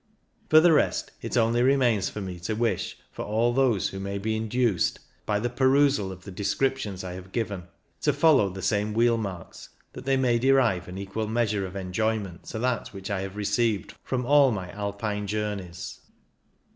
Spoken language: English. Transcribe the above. For the rest, it only remains for me to wish for all those who may be induced, by CONCLUSION 249 the perusal of the descriptions I have given, to follow the same wheelmarks, that they may derive an equal measure of enjoyment to that which I have received from all my Alpine journeys.